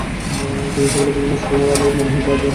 চিকিত্সার বিভিন্ন স্তরে ওমর আলীর মনে হয়েছে আজই হয়তো শেষ দিন।